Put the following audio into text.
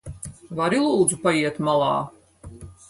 Vari lūdzu paiet malā?